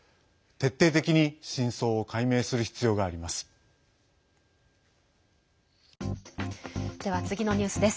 徹底的に真相を解明する必要があります。